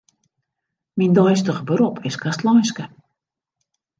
Myn deistich berop is kastleinske.